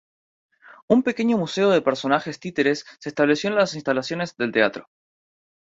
Un pequeño museo de personajes títeres se estableció en las instalaciones del teatro.